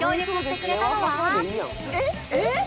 「えっ！えっ！」